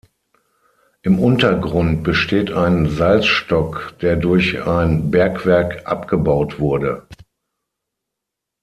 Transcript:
Im Untergrund besteht ein Salzstock, der durch ein Bergwerk abgebaut wurde.